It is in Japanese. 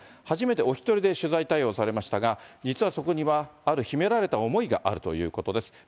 初めてお１人で取材対応されましたが、実はそこにはある秘められた思いがあるということです。